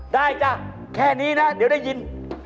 จ้ะแค่นี้นะเดี๋ยวได้ยิน